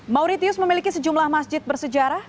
mauritius memiliki sejumlah masjid bersejarah